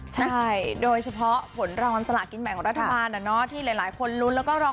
ใช่โดยเฉพาะผลรองวันสลากินใหม่ของรัฐบาลนะเนอะที่หลายคนรุนแล้วก็รอคอย